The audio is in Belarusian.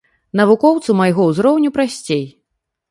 Навукоўцу майго ўзроўню прасцей.